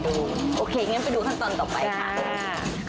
โอเคงั้นไปดูขั้นตอนต่อไปค่ะ